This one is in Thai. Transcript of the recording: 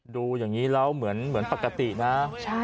ดูอย่างนี้แล้วเหมือนปกตินะ